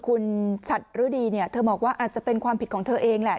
คุณชัดฤดีเนี่ยเธอบอกว่าอาจจะเป็นความผิดของเธอเองแหละ